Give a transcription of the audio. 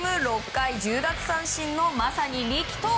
６回１０奪三振のまさに力投！